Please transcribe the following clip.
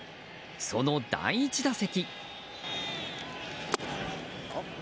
その第１打席。